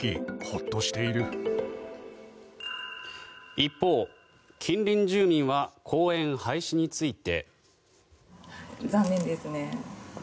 一方、近隣住民は公園廃止について。